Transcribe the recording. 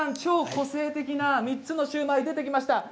超個性的な３つのシューマイが出てきました。